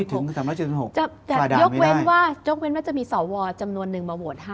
คือทำไมก็ไม่ถึง๓๗๖